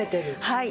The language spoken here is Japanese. はい。